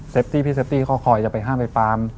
ตี้พี่เซฟตี้เขาคอยจะไปห้ามไปปาม